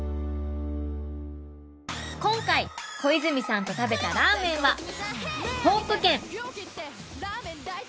［今回小泉さんと食べたラーメンは］